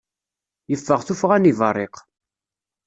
Yeffeɣ tuffɣa n yibarriq.